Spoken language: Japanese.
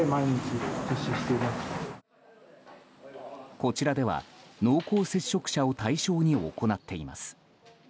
こちらでは濃厚接触者を対象に行っています。